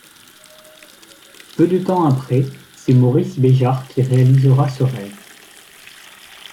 Peu de temps après, c'est Maurice Béjart qui réalisera ce rêve.